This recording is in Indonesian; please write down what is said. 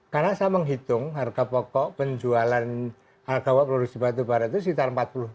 karena saya menghitung harga pokok penjualan harga produk batubara itu sekitar empat puluh